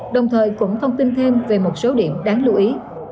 đồng thời cũng thông tin thêm về một số điểm đáng lưu ý